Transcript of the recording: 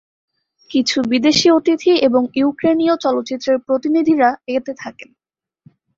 কিছু বিদেশী অতিথি এবং ইউক্রেনীয় চলচ্চিত্রের প্রতিনিধিরা এতে থাকেন।